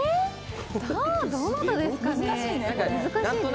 どなたですかね？